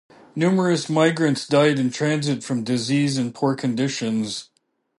Numerous migrants died in transit from disease and poor conditions.